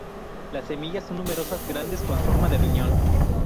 Las semillas son numerosas, grandes, con forma de riñón.